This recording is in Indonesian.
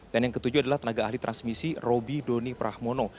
dan yang ketujuh adalah tenaga ahli transmisi roby doni prahmono